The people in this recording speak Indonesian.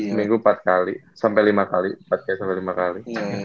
seminggu empat kali sampai lima kali empat kali sampai lima kali